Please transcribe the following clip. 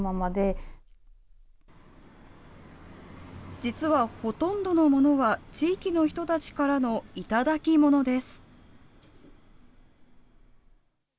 実はほとんどのものは、地域の人たちからの頂き物です。